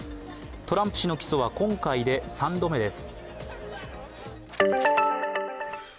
トランプ氏の起訴は今回で３度目です。